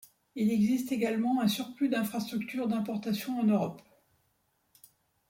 Il existe également un surplus infrastructure d’importation en Europe.